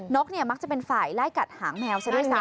กมักจะเป็นฝ่ายไล่กัดหางแมวซะด้วยซ้ำ